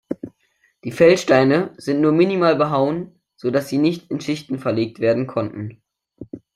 Die Feldsteine sind nur minimal behauen, sodass sie nicht in Schichten verlegt werden konnten.